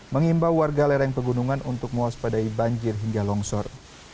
mengimbau warga lereng pegunungan untuk mewaspadai banjir hingga longsor